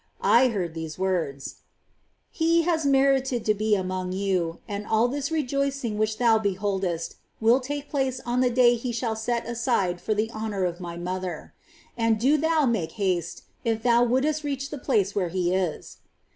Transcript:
I heard these words :" He has merited to be among you, and all this rejoicing which thou beholdest will take place on the day he shall set aside for the honour of My Mother ;^ and do thou make haste, if thou wouldst reach the place where he is."